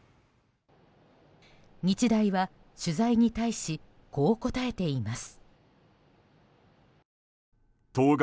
日大は取材に対しこう答えています。